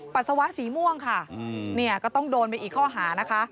ปัสสาวะสีม่วงค่ะเนี่ยก็ต้องโดนไปอีกข้อหานะคะ